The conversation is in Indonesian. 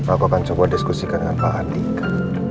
aku akan coba diskusikan dengan pak andika